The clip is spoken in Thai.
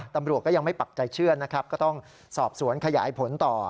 ตำรวจก็ยังไม่ปักใจเชื่อนะครับก็ต้องสอบสวนขยายผลต่อ